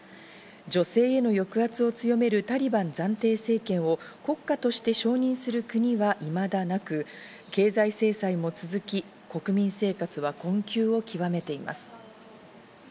女性への抑圧を強めるタリバン暫定政権を国家として承認する国はいまだなく、経済制裁も続き、国民生活は困窮を極めています。